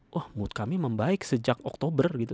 wah mood kami membaik sejak oktober gitu